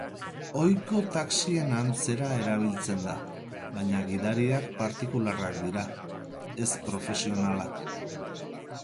Ohiko taxien antzera erabiltzen da, baina gidariak partikularrak dira, ez profesionalak.